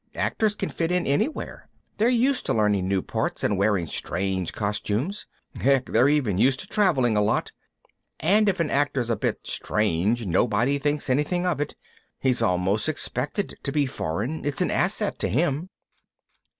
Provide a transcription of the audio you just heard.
Actors can fit in anywhere. They're used to learning new parts and wearing strange costumes. Heck, they're even used to traveling a lot. And if an actor's a bit strange nobody thinks anything of it he's almost expected to be foreign, it's an asset to him."